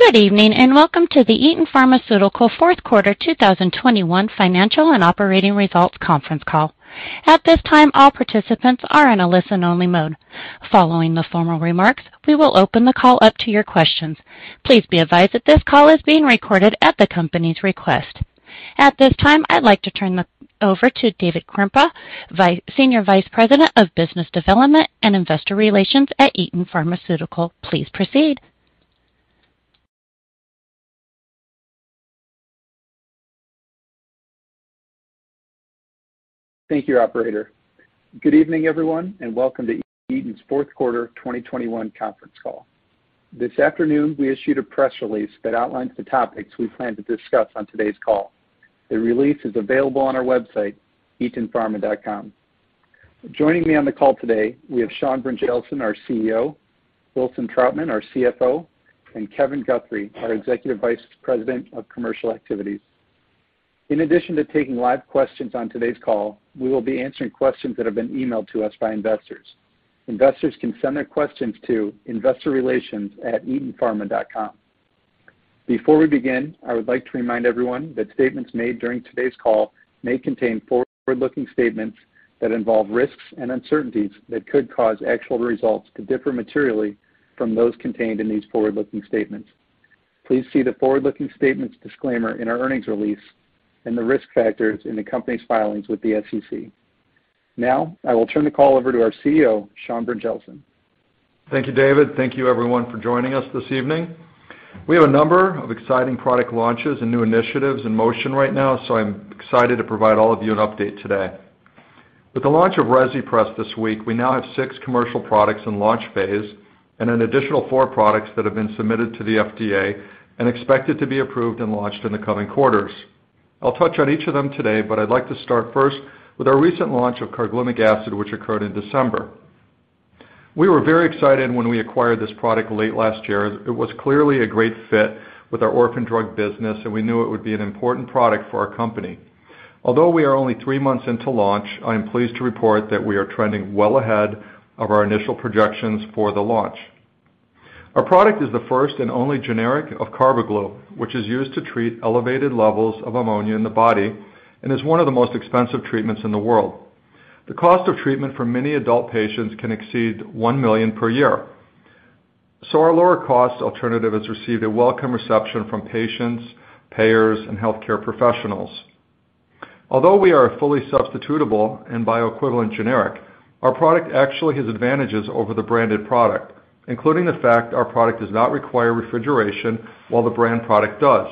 Good evening, and welcome to the Eton Pharmaceuticals fourth quarter 2021 financial and operating results conference call. At this time, all participants are in a listen-only mode. Following the formal remarks, we will open the call up to your questions. Please be advised that this call is being recorded at the company's request. At this time, I'd like to turn over to David Krempa, Senior Vice President of Business Development and Investor Relations at Eton Pharmaceuticals. Please proceed. Thank you, operator. Good evening, everyone, and welcome to Eton's fourth quarter 2021 conference call. This afternoon, we issued a press release that outlines the topics we plan to discuss on today's call. The release is available on our website, etonpharma.com. Joining me on the call today, we have Sean Brynjelsen, our CEO, Wilson Troutman, our CFO, and Kevin Guthrie, our Executive Vice President of Commercial Activities. In addition to taking live questions on today's call, we will be answering questions that have been emailed to us by investors. Investors can send their questions to investorrelations@etonpharma.com. Before we begin, I would like to remind everyone that statements made during today's call may contain forward-looking statements that involve risks and uncertainties that could cause actual results to differ materially from those contained in these forward-looking statements. Please see the forward-looking statements disclaimer in our earnings release and the risk factors in the company's filings with the SEC. Now, I will turn the call over to our CEO, Sean Brynjelsen. Thank you, David. Thank you, everyone, for joining us this evening. We have a number of exciting product launches and new initiatives in motion right now, so I'm excited to provide all of you an update today. With the launch of Rezipres this week, we now have six commercial products in launch phase and an additional four products that have been submitted to the FDA and expected to be approved and launched in the coming quarters. I'll touch on each of them today, but I'd like to start first with our recent launch of carglumic acid, which occurred in December. We were very excited when we acquired this product late last year. It was clearly a great fit with our orphan drug business, and we knew it would be an important product for our company. Although we are only three months into launch, I am pleased to report that we are trending well ahead of our initial projections for the launch. Our product is the first and only generic of Carbaglu, which is used to treat elevated levels of ammonia in the body and is one of the most expensive treatments in the world. The cost of treatment for many adult patients can exceed $1 million per year. Our lower cost alternative has received a welcome reception from patients, payers, and healthcare professionals. Although we are a fully substitutable and bioequivalent generic, our product actually has advantages over the branded product, including the fact our product does not require refrigeration while the brand product does.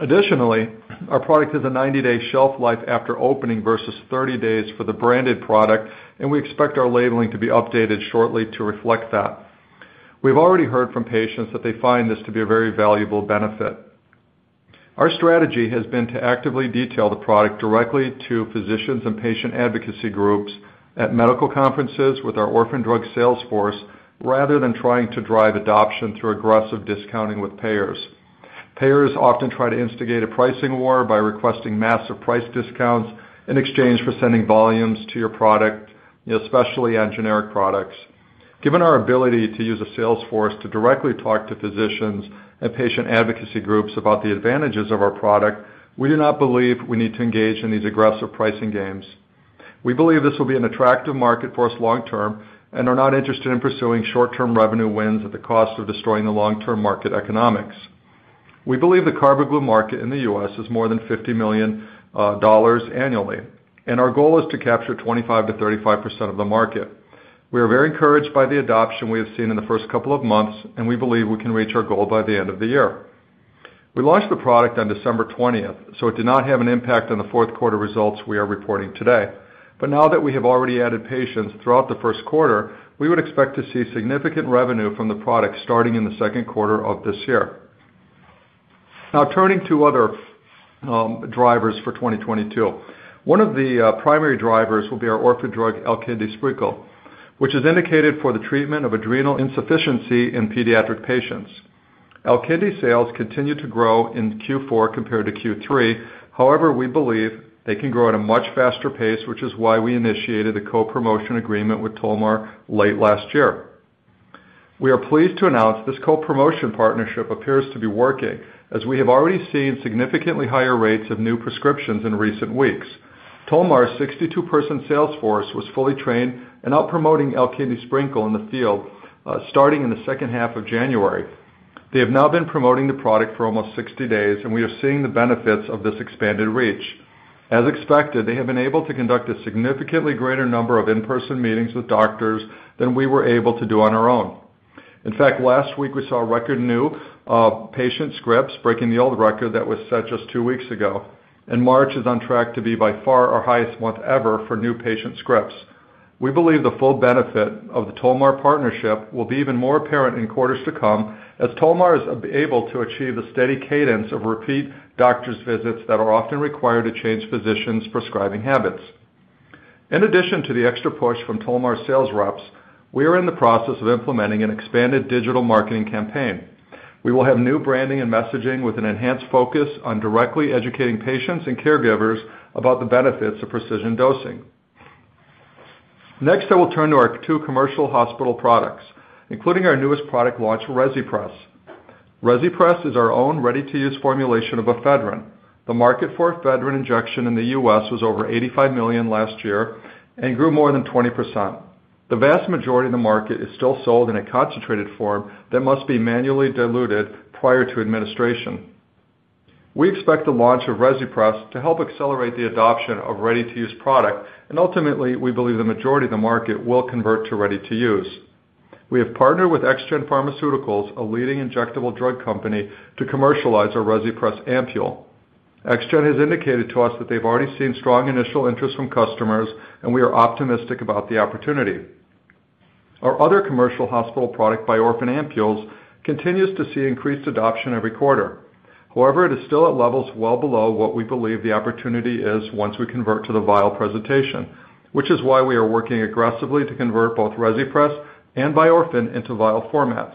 Additionally, our product has a 90-day shelf life after opening versus 30 days for the branded product, and we expect our labeling to be updated shortly to reflect that. We've already heard from patients that they find this to be a very valuable benefit. Our strategy has been to actively detail the product directly to physicians and patient advocacy groups at medical conferences with our orphan drug sales force, rather than trying to drive adoption through aggressive discounting with payers. Payers often try to instigate a pricing war by requesting massive price discounts in exchange for sending volumes to your product, especially on generic products. Given our ability to use a sales force to directly talk to physicians and patient advocacy groups about the advantages of our product, we do not believe we need to engage in these aggressive pricing games. We believe this will be an attractive market for us long-term and are not interested in pursuing short-term revenue wins at the cost of destroying the long-term market economics. We believe the Carbaglu market in the U.S. is more than $50 million annually, and our goal is to capture 25%-35% of the market. We are very encouraged by the adoption we have seen in the first couple of months, and we believe we can reach our goal by the end of the year. We launched the product on December 20, so it did not have an impact on the fourth quarter results we are reporting today. Now that we have already added patients throughout the first quarter, we would expect to see significant revenue from the product starting in the second quarter of this year. Now turning to other drivers for 2022. One of the primary drivers will be our orphan drug, Alkindi Sprinkle, which is indicated for the treatment of adrenal insufficiency in pediatric patients. Alkindi sales continued to grow in Q4 compared to Q3. However, we believe they can grow at a much faster pace, which is why we initiated a co-promotion agreement with Tolmar late last year. We are pleased to announce this co-promotion partnership appears to be working, as we have already seen significantly higher rates of new prescriptions in recent weeks. Tolmar's 62-person sales force was fully trained and out promoting Alkindi Sprinkle in the field, starting in the second half of January. They have now been promoting the product for almost 60 days, and we are seeing the benefits of this expanded reach. As expected, they have been able to conduct a significantly greater number of in-person meetings with doctors than we were able to do on our own. In fact, last week we saw record new patient scripts breaking the old record that was set just two weeks ago, and March is on track to be by far our highest month ever for new patient scripts. We believe the full benefit of the Tolmar partnership will be even more apparent in quarters to come as Tolmar is able to achieve a steady cadence of repeat doctor's visits that are often required to change physicians' prescribing habits. In addition to the extra push from Tolmar's sales reps, we are in the process of implementing an expanded digital marketing campaign. We will have new branding and messaging with an enhanced focus on directly educating patients and caregivers about the benefits of precision dosing. Next, I will turn to our two commercial hospital products, including our newest product launch, Rezipres. Rezipres is our own ready-to-use formulation of ephedrine. The market for ephedrine injection in the U.S. was over $85 million last year and grew more than 20%. The vast majority of the market is still sold in a concentrated form that must be manually diluted prior to administration. We expect the launch of Rezipres to help accelerate the adoption of ready-to-use product, and ultimately, we believe the majority of the market will convert to ready-to-use. We have partnered with XGen Pharmaceuticals, a leading injectable drug company, to commercialize our Rezipres ampoule. XGen has indicated to us that they've already seen strong initial interest from customers, and we are optimistic about the opportunity. Our other commercial hospital product, Biorphen ampoules, continues to see increased adoption every quarter. However, it is still at levels well below what we believe the opportunity is once we convert to the vial presentation, which is why we are working aggressively to convert both Rezipres and Biorphen into vial formats.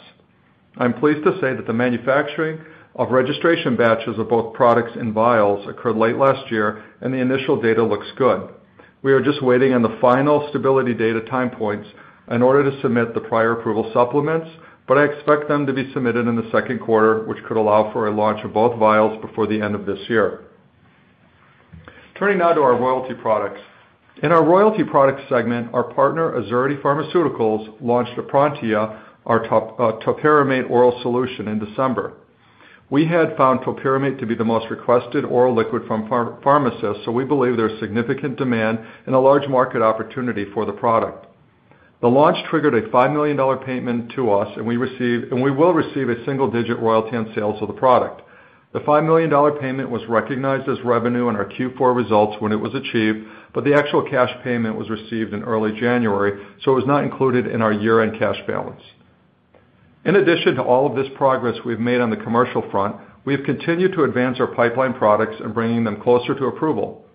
I'm pleased to say that the manufacturing of registration batches of both products in vials occurred late last year, and the initial data looks good. We are just waiting on the final stability data time points in order to submit the prior approval supplements, but I expect them to be submitted in the second quarter, which could allow for a launch of both vials before the end of this year. Turning now to our royalty products. In our royalty product segment, our partner, Azurity Pharmaceuticals, launched Eprontia, our topiramate oral solution in December. We had found topiramate to be the most requested oral liquid from pharmacists, so we believe there's significant demand and a large market opportunity for the product. The launch triggered a $5 million payment to us, and we will receive a single-digit royalty on sales of the product. The $5 million payment was recognized as revenue in our Q4 results when it was achieved, but the actual cash payment was received in early January, so it was not included in our year-end cash balance. In addition to all of this progress we've made on the commercial front, we have continued to advance our pipeline products and bringing them closer to approval.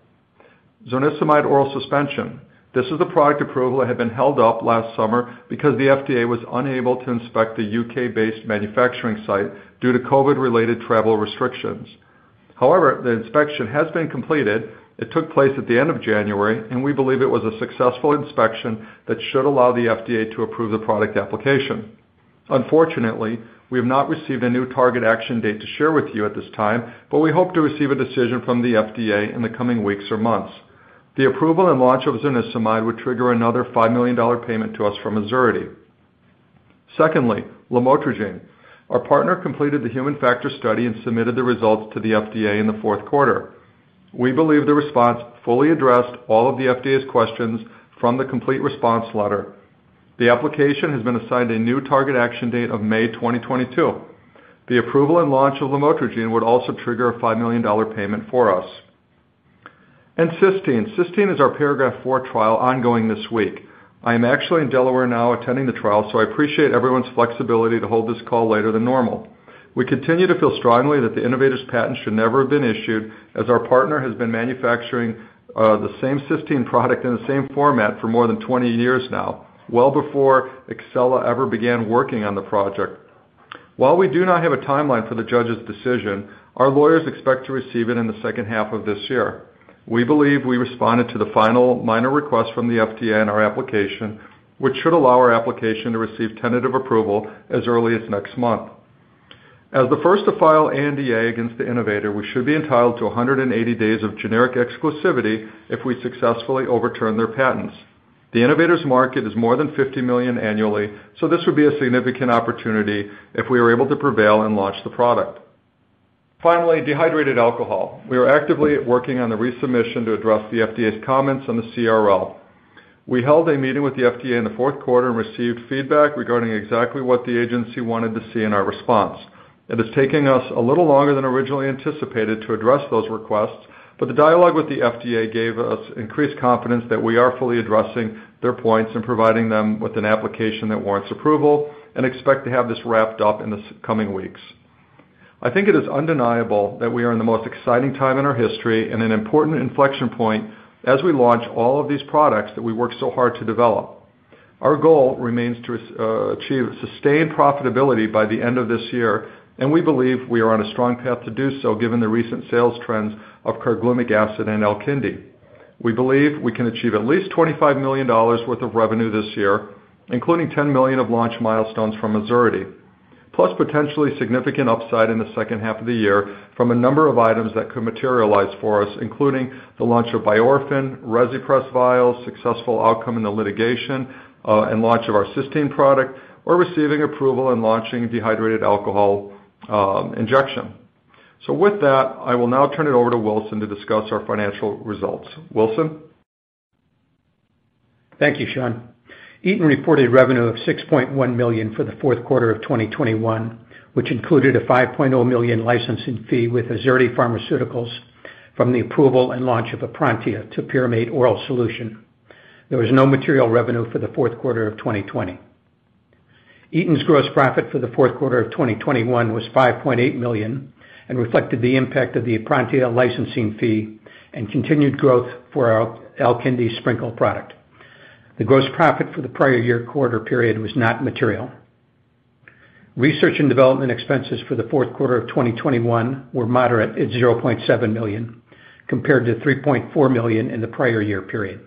Zonisamide oral suspension. This is the product approval that had been held up last summer because the FDA was unable to inspect the U.K.-based manufacturing site due to COVID-related travel restrictions. However, the inspection has been completed. It took place at the end of January, and we believe it was a successful inspection that should allow the FDA to approve the product application. Unfortunately, we have not received a new target action date to share with you at this time, but we hope to receive a decision from the FDA in the coming weeks or months. The approval and launch of zonisamide would trigger another $5 million payment to us from Azurity. Secondly, lamotrigine. Our partner completed the human factors study and submitted the results to the FDA in the fourth quarter. We believe the response fully addressed all of the FDA's questions from the Complete Response Letter. The application has been assigned a new target action date of May 2022. The approval and launch of lamotrigine would also trigger a $5 million payment for us. Cysteine. Cysteine is our Paragraph IV trial ongoing this week. I am actually in Delaware now attending the trial, so I appreciate everyone's flexibility to hold this call later than normal. We continue to feel strongly that the innovator's patent should never have been issued as our partner has been manufacturing the same cysteine product in the same format for more than 20 years now, well before Exela ever began working on the project. While we do not have a timeline for the judge's decision, our lawyers expect to receive it in the second half of this year. We believe we responded to the final minor request from the FDA in our application, which should allow our application to receive tentative approval as early as next month. As the first to file ANDA against the innovator, we should be entitled to 180 days of generic exclusivity if we successfully overturn their patents. The innovator's market is more than $50 million annually, so this would be a significant opportunity if we were able to prevail and launch the product. Finally, dehydrated alcohol. We are actively working on the resubmission to address the FDA's comments on the CRL. We held a meeting with the FDA in the fourth quarter and received feedback regarding exactly what the agency wanted to see in our response. It is taking us a little longer than originally anticipated to address those requests, but the dialogue with the FDA gave us increased confidence that we are fully addressing their points and providing them with an application that warrants approval, and expect to have this wrapped up in the coming weeks. I think it is undeniable that we are in the most exciting time in our history and an important inflection point as we launch all of these products that we worked so hard to develop. Our goal remains to achieve sustained profitability by the end of this year, and we believe we are on a strong path to do so given the recent sales trends of carglumic acid and Alkindi. We believe we can achieve at least $25 million worth of revenue this year, including $10 million of launch milestones from Azurity, plus potentially significant upside in the second half of the year from a number of items that could materialize for us, including the launch of Biorphen, Rezipres vials, successful outcome in the litigation, and launch of our Cysteine product, or receiving approval and launching dehydrated alcohol injection. With that, I will now turn it over to Wilson to discuss our financial results. Wilson? Thank you, Sean. Eton reported revenue of $6.1 million for the fourth quarter of 2021, which included a $5.0 million licensing fee with Azurity Pharmaceuticals from the approval and launch of Eprontia, the topiramate oral solution. There was no material revenue for the fourth quarter of 2020. Eton's gross profit for the fourth quarter of 2021 was $5.8 million and reflected the impact of the Eprontia licensing fee and continued growth for our Alkindi Sprinkle product. The gross profit for the prior year quarter period was not material. Research and development expenses for the fourth quarter of 2021 were moderate at $0.7 million compared to $3.4 million in the prior year period.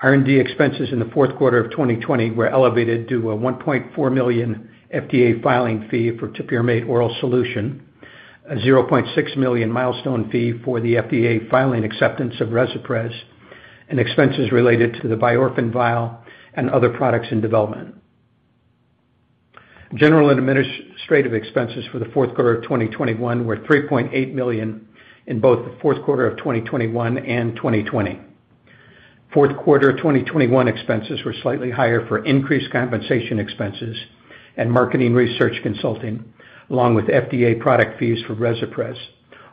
R&D expenses in the fourth quarter of 2020 were elevated to a $1.4 million FDA filing fee for topiramate oral solution, a $0.6 million milestone fee for the FDA filing acceptance of Rezipres, and expenses related to the Biorphen vial and other products in development. General and administrative expenses for the fourth quarter of 2021 were $3.8 million in both the fourth quarter of 2021 and 2020. Fourth quarter of 2021 expenses were slightly higher for increased compensation expenses and marketing research consulting, along with FDA product fees for Rezipres,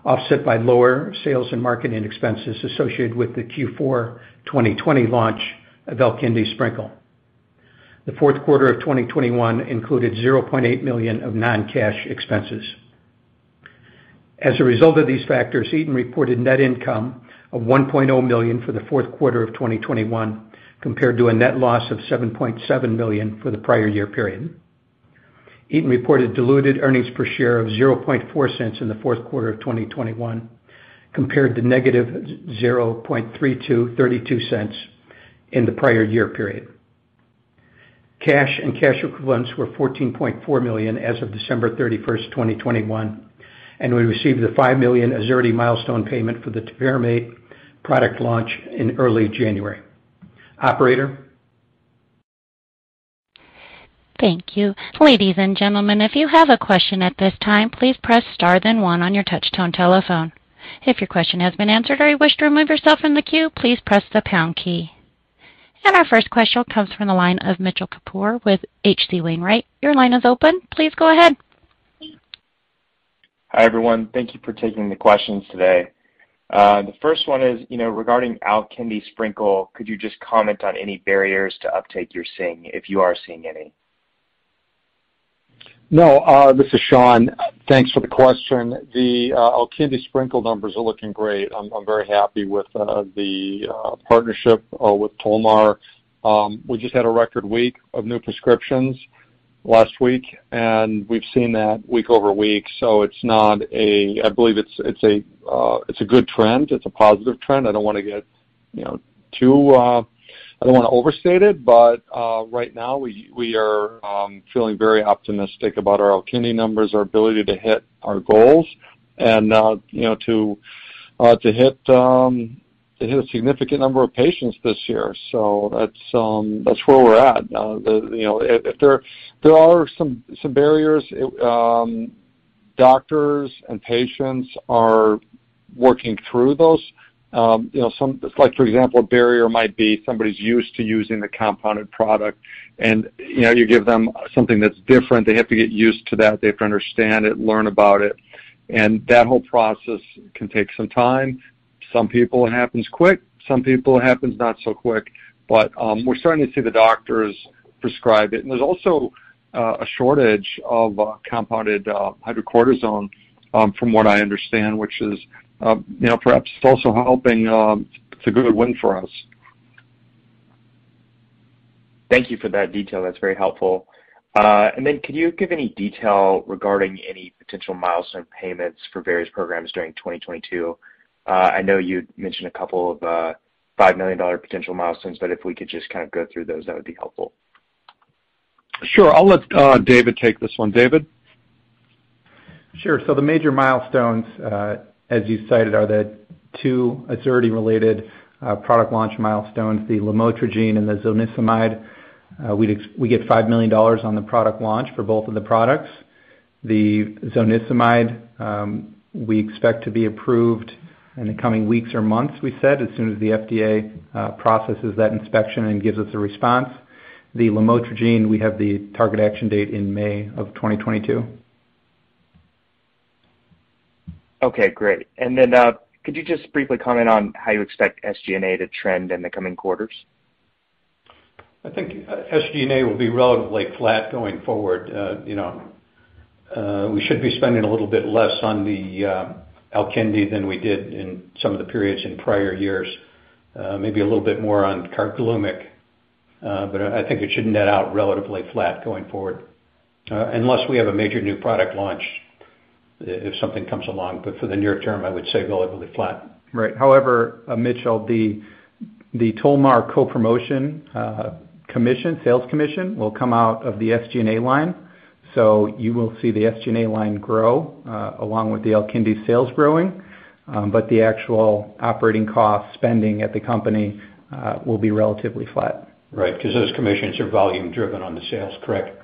offset by lower sales and marketing expenses associated with the Q4 2020 launch of Alkindi Sprinkle. The fourth quarter of 2021 included $0.8 million of non-cash expenses. As a result of these factors, Eton reported net income of $1.0 million for the fourth quarter of 2021, compared to a net loss of $7.7 million for the prior year period. Eton reported diluted earnings per share of $0.04 in the fourth quarter of 2021, compared to -$0.32 in the prior year period. Cash and cash equivalents were $14.4 million as of December 31, 2021, and we received the $5 million Azurity milestone payment for the topiramate product launch in early January. Operator? Thank you. Ladies and gentlemen, if you have a question at this time, please press star then one on your touchtone telephone. If your question has been answered or you wish to remove yourself from the queue, please press the pound key. Our first question comes from the line of Mitchell Kapoor with HC Wainwright. Your line is open. Please go ahead. Hi, everyone. Thank you for taking the questions today. The first one is, you know, regarding Alkindi Sprinkle, could you just comment on any barriers to uptake you're seeing, if you are seeing any? No, this is Sean. Thanks for the question. The Alkindi Sprinkle numbers are looking great. I'm very happy with the partnership with Tolmar. We just had a record week of new prescriptions last week, and we've seen that week-over-week. I believe it's a good trend. It's a positive trend. I don't wanna get you know too I don't wanna overstate it, but right now, we are feeling very optimistic about our Alkindi numbers, our ability to hit our goals and you know to hit a significant number of patients this year. So that's where we're at. There, you know, if there are some barriers, doctors and patients are working through those. You know, some, like, for example, a barrier might be somebody's used to using a compounded product, and, you know, you give them something that's different, they have to get used to that. They have to understand it, learn about it, and that whole process can take some time. Some people, it happens quick. Some people, it happens not so quick. We're starting to see the doctors prescribe it. There's also a shortage of compounded hydrocortisone from what I understand, which is, you know, perhaps it's also helping, it's a good win for us. Thank you for that detail. That's very helpful. Could you give any detail regarding any potential milestone payments for various programs during 2022? I know you'd mentioned a couple of $5 million potential milestones, if we could just kind of go through those, that would be helpful. Sure. I'll let David take this one. David? Sure. The major milestones, as you cited, are the two Azurity-related product launch milestones, the lamotrigine and the zonisamide. We get $5 million on the product launch for both of the products. The zonisamide, we expect to be approved in the coming weeks or months, we said, as soon as the FDA processes that inspection and gives us a response. The lamotrigine, we have the target action date in May 2022. Okay. Great. Could you just briefly comment on how you expect SG&A to trend in the coming quarters? I think SG&A will be relatively flat going forward. You know, we should be spending a little bit less on the Alkindi than we did in some of the periods in prior years. Maybe a little bit more on Carbaglu, but I think it should net out relatively flat going forward, unless we have a major new product launch if something comes along. For the near term, I would say relatively flat. Right. However, Mitchell, the Tolmar co-promotion commission, sales commission will come out of the SG&A line. You will see the SG&A line grow along with the Alkindi sales growing. The actual operating cost spending at the company will be relatively flat. Right. 'Cause those commissions are volume driven on the sales, correct?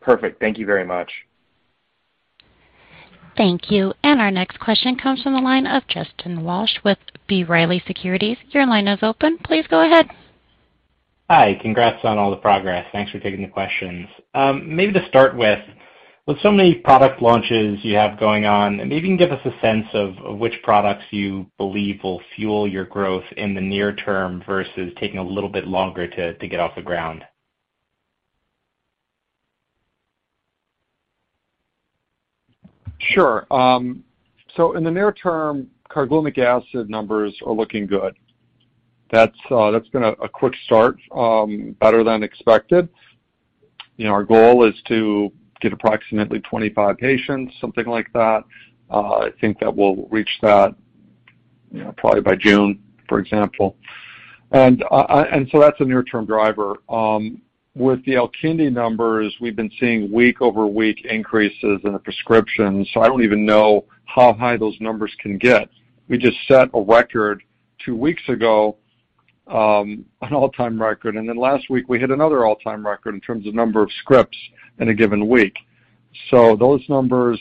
Perfect. Thank you very much. Thank you. Our next question comes from the line of Chase Knickerbocker with B. Riley Securities. Your line is open. Please go ahead. Hi. Congrats on all the progress. Thanks for taking the questions. Maybe to start with so many product launches you have going on, maybe you can give us a sense of which products you believe will fuel your growth in the near term versus taking a little bit longer to get off the ground. Sure. In the near term carglumic acid numbers are looking good. That's been a quick start, better than expected. You know, our goal is to get approximately 25 patients, something like that. I think that we'll reach that, you know, probably by June, for example. That's a near-term driver. With the Alkindi numbers, we've been seeing week-over-week increases in the prescriptions. I don't even know how high those numbers can get. We just set a record two weeks ago, an all-time record. Then last week, we hit another all-time record in terms of number of scripts in a given week. Those numbers,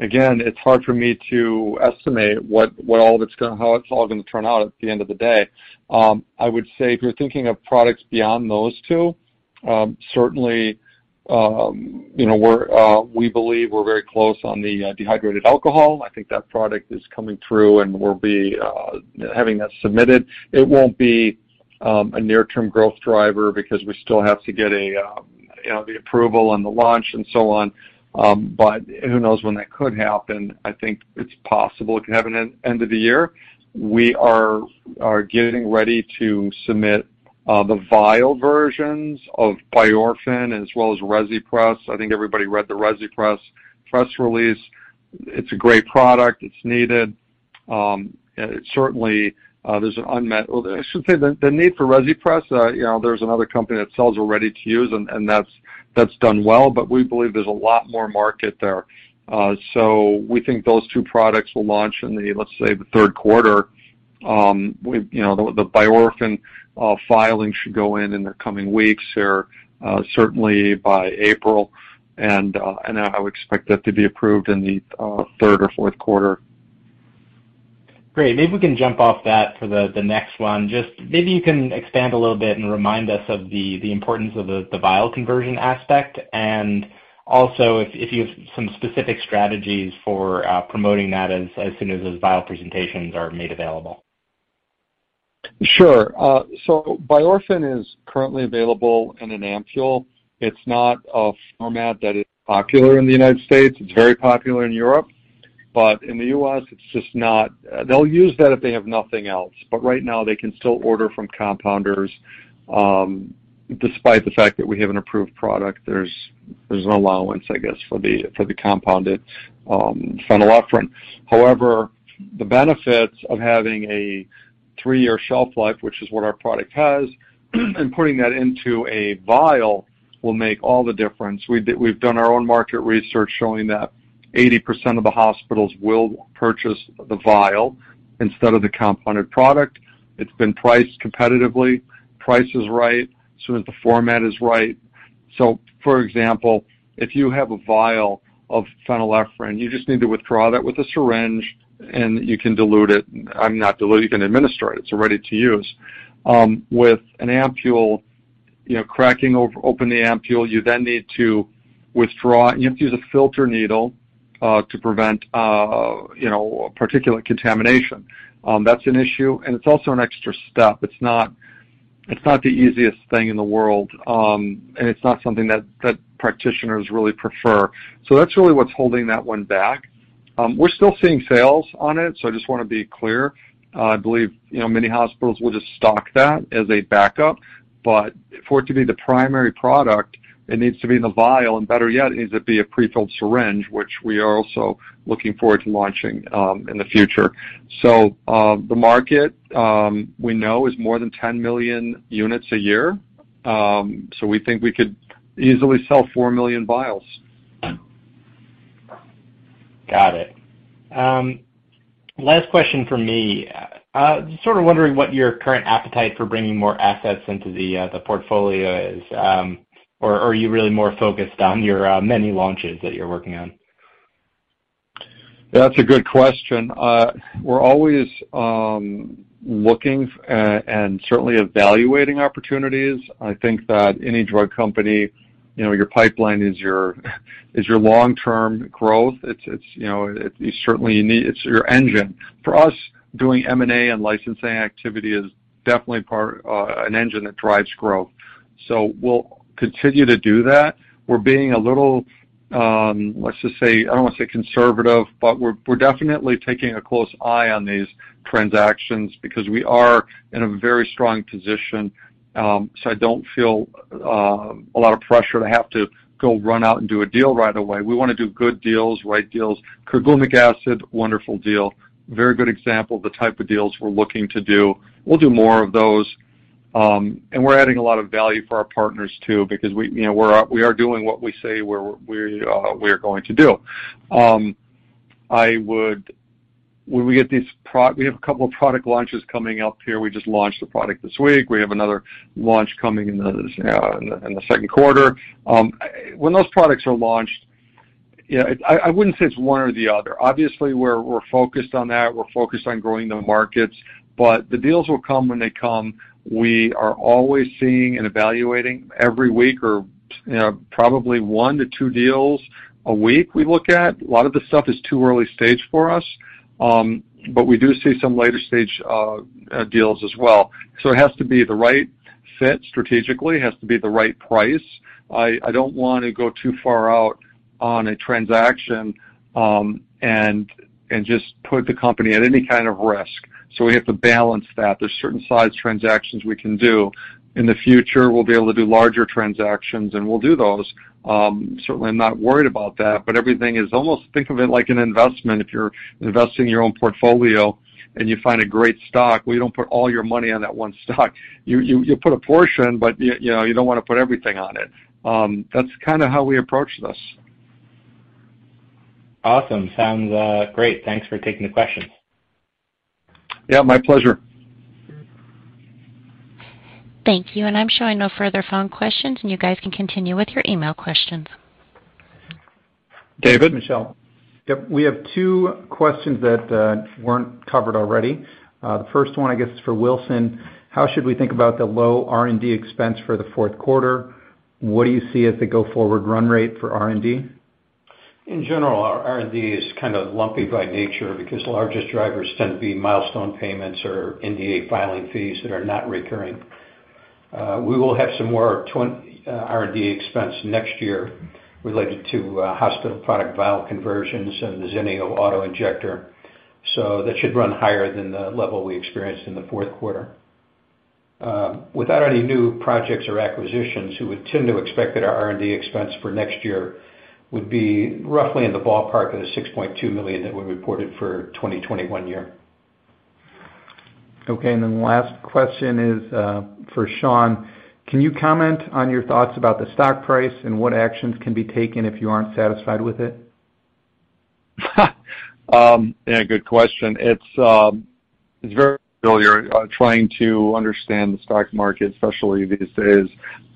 again, it's hard for me to estimate how it's all gonna turn out at the end of the day. I would say if you're thinking of products beyond those two, certainly, you know, we believe we're very close on the dehydrated alcohol. I think that product is coming through, and we'll be having that submitted. It won't be a near-term growth driver because we still have to get a you know, the approval and the launch and so on. Who knows when that could happen. I think it's possible it can happen in end of the year. We are getting ready to submit the vial versions of Biorphen as well as Rezipres. I think everybody read the Rezipres press release. It's a great product. It's needed. It certainly there's an unmet Well, I should say the need for Rezipres, you know, there's another company that sells a ready-to-use, and that's done well, but we believe there's a lot more market there. So we think those two products will launch in the, let's say, the third quarter. We, you know, the Biorphen filing should go in the coming weeks or certainly by April. I would expect that to be approved in the third or fourth quarter. Great. Maybe we can jump off that for the next one. Just maybe you can expand a little bit and remind us of the importance of the vial conversion aspect, and also if you have some specific strategies for promoting that as soon as those vial presentations are made available. Sure. So Biorphen is currently available in an ampoule. It's not a format that is popular in the United States. It's very popular in Europe, but in the U.S. it's just not. They'll use that if they have nothing else. But right now they can still order from compounders, despite the fact that we have an approved product, there's an allowance, I guess, for the compounded phenylephrine. However, the benefits of having a three-year shelf life, which is what our product has, and putting that into a vial will make all the difference. We've done our own market research showing that 80% of the hospitals will purchase the vial instead of the compounded product. It's been priced competitively. Price is right, so that the format is right. For example, if you have a vial of phenylephrine, you just need to withdraw that with a syringe and you can dilute it. Not dilute it, you can administer it. It's ready to use. With an ampoule, you know, cracking open the ampoule, you then need to withdraw. You have to use a filter needle to prevent you know, particulate contamination. That's an issue, and it's also an extra step. It's not the easiest thing in the world. It's not something that practitioners really prefer. That's really what's holding that one back. We're still seeing sales on it, so I just wanna be clear. I believe you know, many hospitals will just stock that as a backup. For it to be the primary product, it needs to be in the vial, and better yet, it needs to be a prefilled syringe, which we are also looking forward to launching in the future. The market we know is more than 10 million units a year. We think we could easily sell four million vials. Got it. Last question from me. Sort of wondering what your current appetite for bringing more assets into the portfolio is, or are you really more focused on your many launches that you're working on? That's a good question. We're always looking and certainly evaluating opportunities. I think that any drug company, you know, your pipeline is your long-term growth. It's your engine. For us, doing M&A and licensing activity is definitely part of an engine that drives growth. We'll continue to do that. We're being a little, let's just say, I don't wanna say conservative, but we're definitely keeping a close eye on these transactions because we are in a very strong position. I don't feel a lot of pressure to have to go run out and do a deal right away. We wanna do good deals, right deals. Carglumic acid, wonderful deal. Very good example of the type of deals we're looking to do. We'll do more of those. We're adding a lot of value for our partners too because we, you know, we are doing what we say we're going to do. We have a couple of product launches coming up here. We just launched a product this week. We have another launch coming in the second quarter. When those products are launched, you know, I wouldn't say it's one or the other. Obviously, we're focused on that, we're focused on growing the markets, but the deals will come when they come. We are always seeing and evaluating every week or, you know, probably one to two deals a week we look at. A lot of the stuff is too early stage for us, but we do see some later stage deals as well. It has to be the right fit strategically has to be the right price. I don't wanna go too far out on a transaction, and just put the company at any kind of risk. We have to balance that. There's certain size transactions we can do. In the future, we'll be able to do larger transactions, and we'll do those. Certainly, I'm not worried about that, but everything is almost think of it like an investment. If you're investing your own portfolio and you find a great stock, well, you don't put all your money on that one stock. You put a portion, but you know, you don't wanna put everything on it. That's kinda how we approach this. Awesome. Sounds great. Thanks for taking the questions. Yeah, my pleasure. Thank you. I'm showing no further phone questions, and you guys can continue with your email questions. David. Mitchell. Yep, we have two questions that weren't covered already. The first one I guess is for Wilson. How should we think about the low R&D expense for the fourth quarter? What do you see as the go-forward run rate for R&D? In general, our R&D is kinda lumpy by nature because the largest drivers tend to be milestone payments or NDA filing fees that are not recurring. We will have some more R&D expense next year related to hospital product vial conversions and the ZENEO auto-injector. That should run higher than the level we experienced in the fourth quarter. Without any new projects or acquisitions, we would tend to expect that our R&D expense for next year would be roughly in the ballpark of the $6.2 million that we reported for 2021. Okay. Last question is for Sean. Can you comment on your thoughts about the stock price and what actions can be taken if you aren't satisfied with it? Yeah, good question. It's very familiar trying to understand the stock market, especially these days.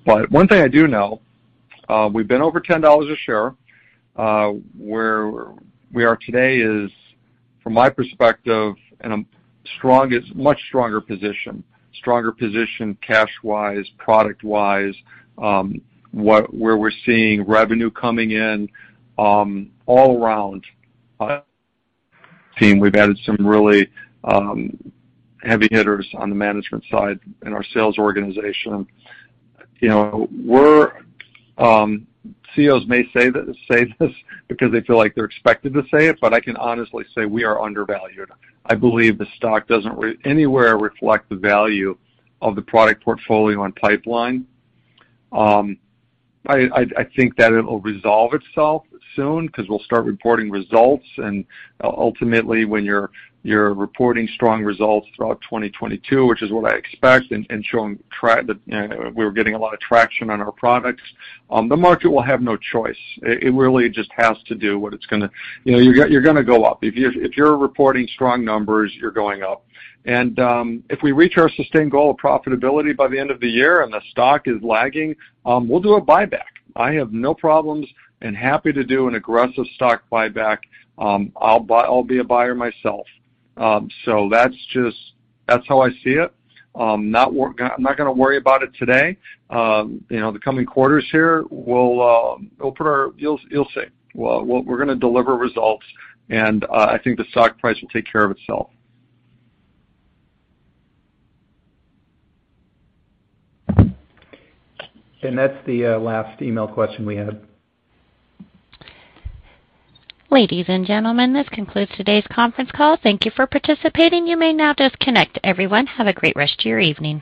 One thing I do know, we've been over $10 a share. Where we are today is, from my perspective, in a strongest, much stronger position cash-wise, product-wise, where we're seeing revenue coming in, all around. Team, we've added some really heavy hitters on the management side in our sales organization. You know, CEOs may say this because they feel like they're expected to say it, but I can honestly say we are undervalued. I believe the stock doesn't anywhere reflect the value of the product portfolio and pipeline. I think that it'll resolve itself soon 'cause we'll start reporting results, and ultimately, when you're reporting strong results throughout 2022, which is what I expect, and showing that, you know, we're getting a lot of traction on our products, the market will have no choice. It really just has to do what it's gonna. You know, you're gonna go up. If you're reporting strong numbers, you're going up. If we reach our sustained goal of profitability by the end of the year and the stock is lagging, we'll do a buyback. I have no problems and happy to do an aggressive stock buyback. I'll be a buyer myself. That's just how I see it. I'm not gonna worry about it today. You know, the coming quarters here will. You'll see. We're gonna deliver results, and I think the stock price will take care of itself. That's the last email question we have. Ladies and gentlemen, this concludes today's conference call. Thank you for participating. You may now disconnect. Everyone, have a great rest of your evening.